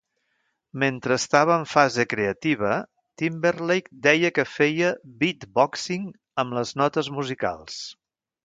Mentre estava en fase creativa, Timberlake deia que feia "beatboxing amb les notes musicals".